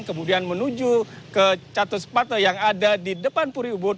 kemudian menuju ke catus pate yang ada di depan puri ubud